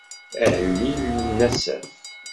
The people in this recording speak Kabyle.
Ahellil n Asaf.